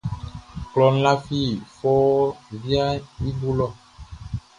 Kloʼn lafi fɔuun viaʼn i bo lɔ.